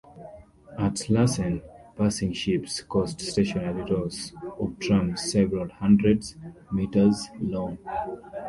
At Slussen, passing ships caused stationary rows of trams several hundreds metres long.